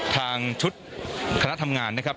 ทางชุดคณะทำงานนะครับ